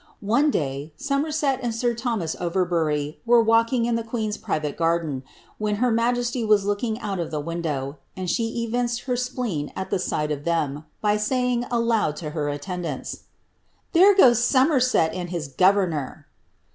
One day, Somerset and sir Thomas Overbury were walking in the queen^s private garden, when her majesty was looking out of the window, and she evinced her spleen at the sight of them, by saying aloud to her attendants, ^^ There goes Somerset and his governor!